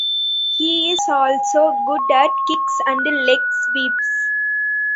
He is also good at kicks and leg sweeps.